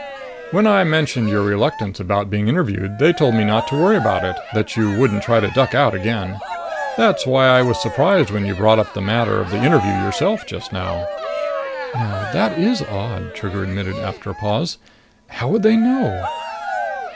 "When I mentioned your reluctance about being interviewed, they told me not to worry about it that you wouldn't try to duck out again. That's why I was surprised when you brought up the matter of the interview yourself just now." "Now that is odd," Trigger admitted after a pause. "How would they know?"